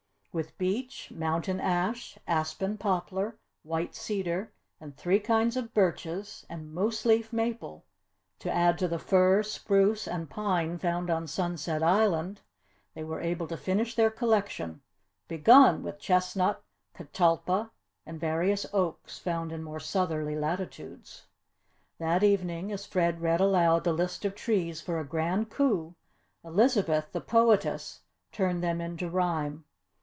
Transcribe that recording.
With beech, mountain ash, aspen poplar, white cedar, and three kinds of birches and moose leaf maple to add to the fir, spruce, and pine found on Sunset Island they were able to finish their collection begun with chestnut, catalpa, and various oaks, found in more southerly latitudes. That evening, as Fred read aloud the list of trees for a Grand Coup, Elizabeth, the poetess, turned them into rhyme.